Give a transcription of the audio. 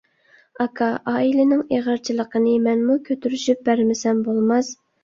— ئاكا، ئائىلىنىڭ ئېغىرچىلىقىنى مەنمۇ كۆتۈرۈشۈپ بەرمىسەم بولماس.